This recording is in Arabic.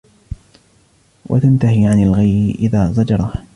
وَتَنْتَهِيَ عَنْ الْغَيِّ إذَا زَجَرَهَا